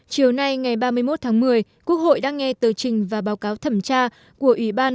chiều nay ngày ba mươi một tháng một mươi quốc hội đã nghe tờ trình và báo cáo thẩm tra của ủy ban